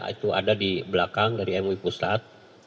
itu ada di belakang dari mui pusat